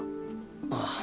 ああ。